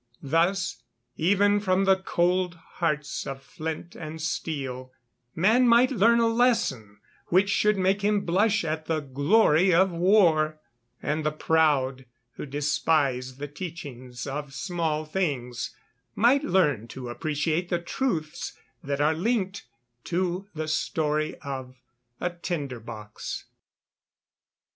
Thus, even from the cold hearts of flint and steel, man might learn a lesson which should make him blush at the "glory of war;" and the proud, who despise the teachings of small things, might learn to appreciate the truths that are linked to the story of a "tinder box."